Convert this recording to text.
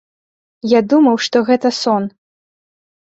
Я думаў, што гэта сон.